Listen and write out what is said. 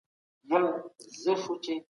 آیا پیسې تر اخلاقو مهمې دي؟